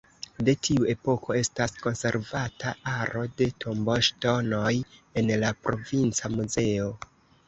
De tiu epoko estas konservata aro de tomboŝtonoj en la Provinca Muzeo.